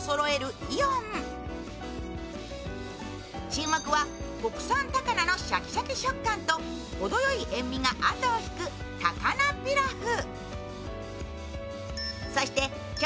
注目は国産高菜のシャキシャキ食感とほどよい塩みが後を引く高菜ピラフ。